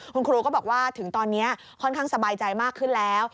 คุณครูก็บอกว่าถึงตอนนี้ค่อนข้างสบายใจมากขึ้นแล้ว